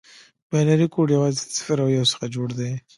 بایونري کوډ یوازې د صفر او یو څخه جوړ دی.